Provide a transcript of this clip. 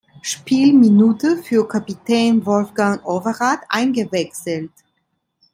Spielminute für Kapitän Wolfgang Overath eingewechselt.